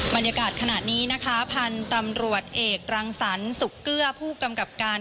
บรรยากาศขณะนี้นะคะพันธุ์ตำรวจเอกรังสรรสุกเกื้อผู้กำกับการ